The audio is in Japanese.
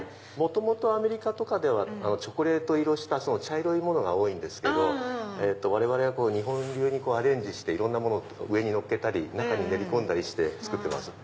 アメリカではチョコレート色した茶色いものが多いんですけど我々は日本流にアレンジしていろんなものを上にのっけたり中に練り込んだりして作ってます。